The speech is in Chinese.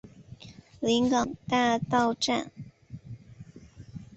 临港大道站